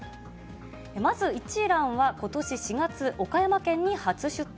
まず一蘭はことし４月、岡山県に初出店。